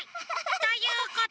ということで。